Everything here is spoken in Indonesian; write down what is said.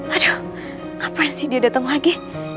aduh kapan sih dia datang lagi